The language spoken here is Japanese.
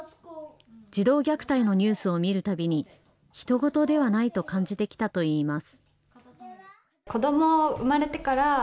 児童虐待のニュースを見るたびにひと事ではないと感じてきたといいます。